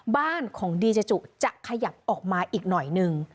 บ้านของดีเจจุจะขยับออกมาอีกหน่อยนึง